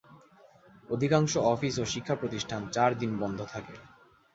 অধিকাংশ অফিস ও শিক্ষাপ্রতিষ্ঠান চার দিন বন্ধ থাকে।